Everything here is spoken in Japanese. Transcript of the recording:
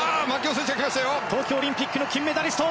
東京オリンピックの金メダリスト